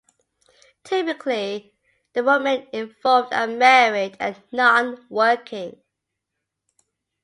Typically, the women involved are married and non-working.